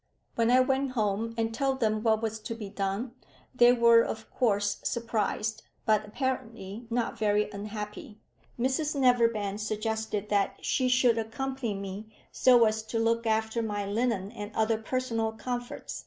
When I went home and told them what was to be done, they were of course surprised, but apparently not very unhappy. Mrs Neverbend suggested that she should accompany me, so as to look after my linen and other personal comforts.